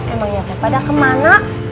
emangnya teh pada kemana